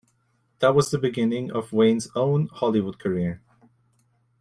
That was the beginning of Wayne's own Hollywood career.